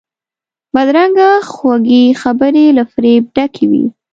بدرنګه خوږې خبرې له فریب ډکې وي